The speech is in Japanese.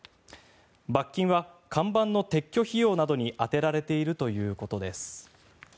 罰金は看板の撤去費用などに充てられているということです。